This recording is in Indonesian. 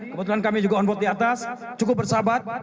kebetulan kami juga on board di atas cukup bersahabat